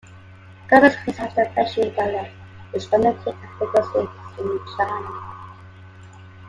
Gabelentz criticized the Beijing dialect which dominated the linguistic scene in China.